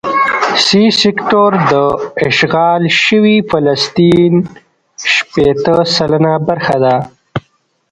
سي سیکټور د اشغال شوي فلسطین شپېته سلنه برخه ده.